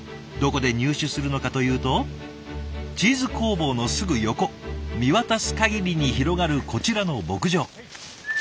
どこで入手するのかというとチーズ工房のすぐ横見渡す限りに広がるこちらの牧場。